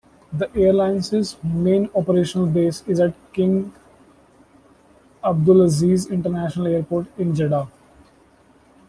The airline's main operational base is at King Abdulaziz International Airport in Jeddah.